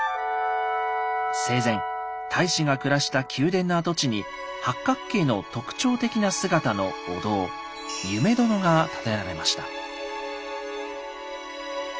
生前太子が暮らした宮殿の跡地に八角形の特徴的な姿のお堂「夢殿」が建てられました。